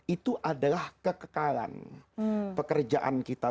itu adalah kekekalan pekerjaan kita